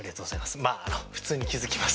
まあ普通に気付きますけど。